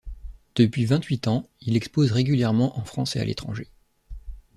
Depuis vingt-huit ans, il expose régulièrement en France et à l’étranger.